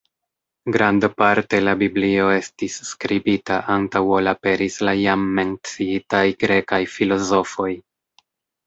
Grandparte la biblio estis skribita antaŭ ol aperis la jam menciitaj grekaj filozofoj.